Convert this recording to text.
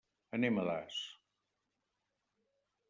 Anem a Das.